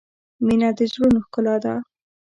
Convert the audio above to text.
• مینه د زړونو ښکلا ده.